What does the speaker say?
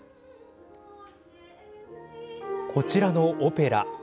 こちらのオペラ。